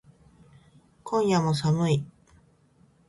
今夜も寒い